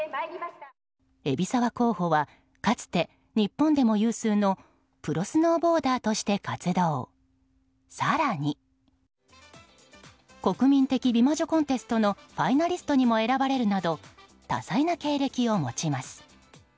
海老沢候補はかつて日本でも有数のプロスノーボーダーとして活動更に国民的美魔女コンテストのファイナリストにも選ばれるなど多彩な経歴を持ちます。